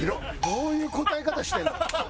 どういう答え方してるの。